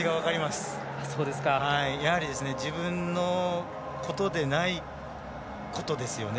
やはり自分のことでないことですよね。